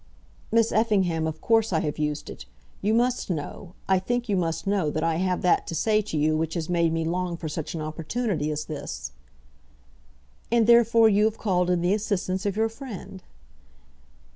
"Miss Effingham, of course I have used it. You must know, I think you must know that I have that to say to you which has made me long for such an opportunity as this." "And therefore you have called in the assistance of your friend."